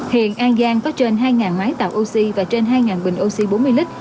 hiện an giang có trên hai máy tạo oxy và trên hai bình oxy bốn mươi lít